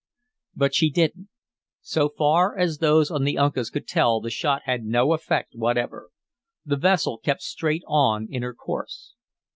But she didn't; so far as those on the Uncas could tell the shot had no effect whatever. The vessel kept straight on in her course.